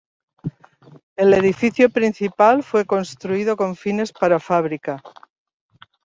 El edificio principal fue construido con fines para fabrica.